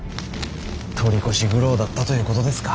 取り越し苦労だったということですか。